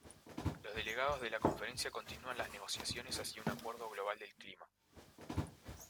Los delegados de la conferencia continúan las negociaciones hacia un acuerdo global del clima.